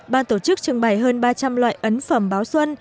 ban tổ chức trưng bày hơn ba trăm linh loại ấn phẩm báo xuân